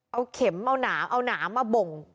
เอาเข็มเอาหนาวเอาหนามาบ่ง